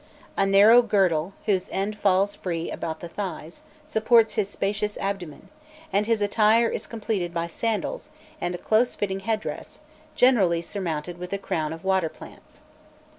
A narrow girdle, whose ends fall free about the thighs, supports his spacious abdomen, and his attire is completed by sandals, and a close fitting head dress, generally surmounted with a crown of water plants.